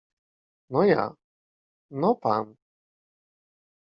No ja. No pan.